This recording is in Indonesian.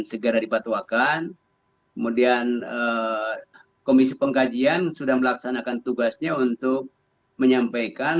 segera dipatuakan kemudian komisi pengkajian sudah melaksanakan tugasnya untuk menyampaikan